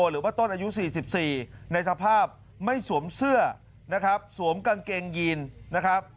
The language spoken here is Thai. หรือว่าต้นอายุ๔๔ในสภาพไม่สวมเสื้อนะครับสวมกางเกงยีนนะครับ